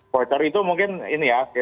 voucher itu mungkin ini ya